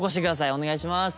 お願いします。